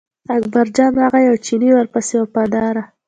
اکبرجان راغی او چینی ورپسې و وفاداره.